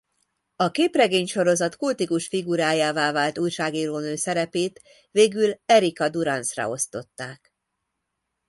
A képregénysorozat kultikus figurájává vált újságírónő szerepét végül Erica Durance-ra osztották.